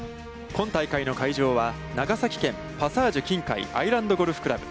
今大会の会場は長崎県パサージュ琴海アイランドゴルフクラブ。